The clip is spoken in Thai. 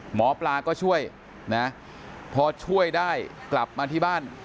หมอปลาก็ช่วยนะพอช่วยได้กลับมาที่บ้าน